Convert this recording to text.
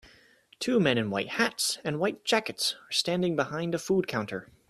Two men in white hats and white jackets are standing behind a food counter